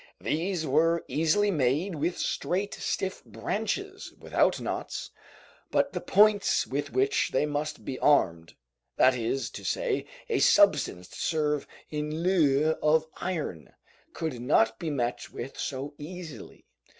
These were easily made with straight stiff branches, without knots, but the points with which they must be armed, that is to say, a substance to serve in lieu of iron, could not be met with so easily.